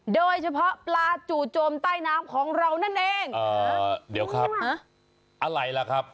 โดยเฉพาะปลาจู่โจมใต้น้ำของเรานั่นเองอ๋อเดี๋ยวครับอะไรล่ะครับ